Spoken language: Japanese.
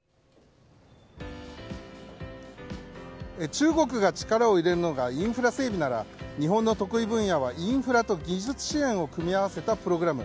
中国が力を入れるのがインフラ整備なら日本の得意分野はインフラと技術支援を組み合わせたプログラム。